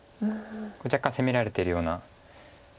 若干攻められてるような。